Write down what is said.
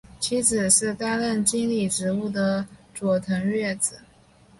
妻子是担任经理职务的佐藤悦子。